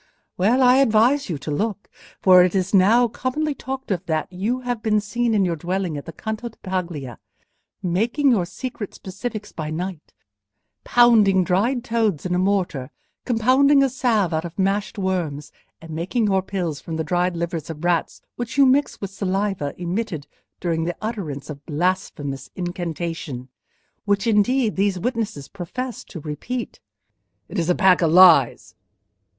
Well, I advise you to look; for it is now commonly talked of that you have been seen in your dwelling at the Canto di Paglia, making your secret specifics by night: pounding dried toads in a mortar, compounding a salve out of mashed worms, and making your pills from the dried livers of rats which you mix with saliva emitted during the utterance of a blasphemous incantation—which indeed these witnesses profess to repeat." "It is a pack of lies!"